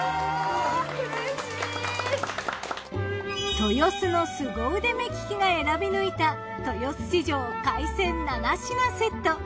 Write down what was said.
豊洲の凄腕目利きが選び抜いた豊洲市場・海鮮７品セット。